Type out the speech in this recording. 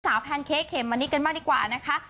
แพนเค้กเขมมะนิดกันมากดีกว่านะคะ